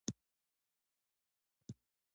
د هرات په زنده جان کې د وسپنې کان شته.